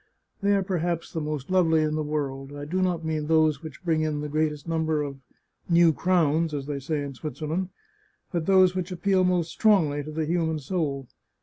They are perhaps the most lovely in the world. I do not mean those which bring in the great est number of " new crowns," as they say in Switzerland, but those which appeal most strongly to the human soul.